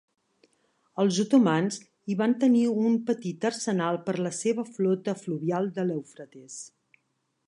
Els otomans hi van tenir un petit arsenal per la seva flota fluvial de l'Eufrates.